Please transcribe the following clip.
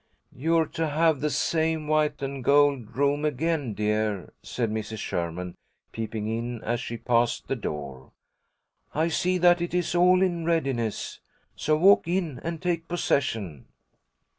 "You're to have the same white and gold room again, dear," said Mrs. Sherman, peeping in as she passed the door. "I see that it is all in readiness. So walk in and take possession."